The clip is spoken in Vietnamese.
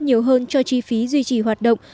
nhiều hơn cho chi phí duy trì hoạt động